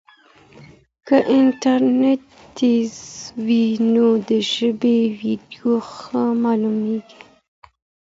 که انټرنیټ تېز وي نو د ژبې ویډیو ښه معلومېږي.